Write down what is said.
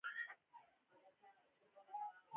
د سکرو سون ته د اکسیجن ته اړتیا وي.